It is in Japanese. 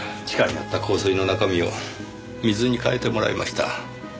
地下にあった香水の中身を水に替えてもらいました。